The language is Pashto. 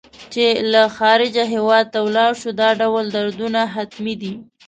چې له خارجه هېواد ته ولاړ شو دا ډول دردونه حتمي دي.